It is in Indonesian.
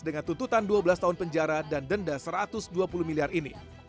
dengan tuntutan dua belas tahun penjara dan denda satu ratus dua puluh miliar ini